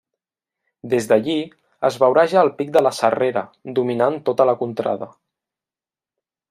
Des d'allí, es veurà ja el pic de la Serrera, dominant tota la contrada.